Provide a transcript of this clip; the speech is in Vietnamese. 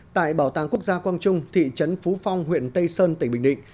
tại bảo tàng quốc gia quang trung thị trấn phú phong huyện tây sơn tỉnh bình định